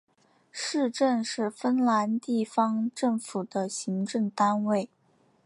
市镇是芬兰地方政府的行政单位。